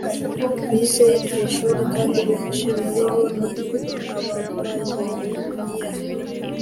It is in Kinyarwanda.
Bize iryo shuri kandi benshi muri bo ni abapayiniya